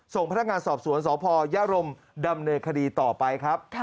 ส่งพนักงานสอบสวนสพยรมดำเนินคดีต่อไปครับ